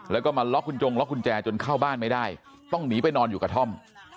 แล้วก็มาล็อกคุณจงล็อกกุญแจจนเข้าบ้านไม่ได้ต้องหนีไปนอนอยู่กระท่อม